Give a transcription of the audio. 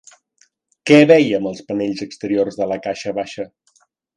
Què veiem als panells exteriors de la caixa baixa?